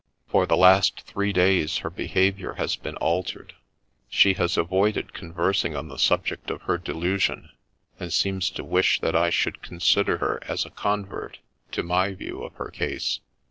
For the last three days her behaviour has been altered ; she has avoided conversing on the subject of her delusion, and seems to wish that I should consider her as a convert to my view of her case.